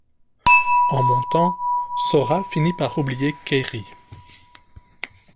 En montant, Sora finit par oublier Kairi.